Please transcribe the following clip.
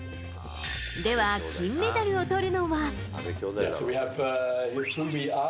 では金メダルをとるのは。